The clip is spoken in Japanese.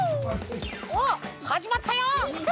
おっはじまったよ！